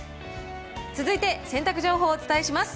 続いて、洗濯情報をお伝えします。